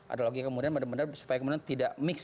ada lagi kemudian benar benar supaya kemudian tidak mix